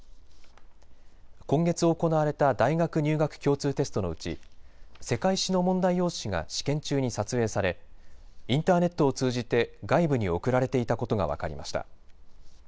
今月行われた大学入学共通テストのうち世界史の問題用紙が試験中に撮影され、インターネットを通じて外部に送られていたことが分かりました。